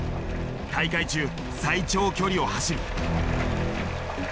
大会中最長距離を走る。